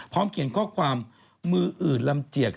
ต้องเลือกเข้าความมืออืดลำเจียก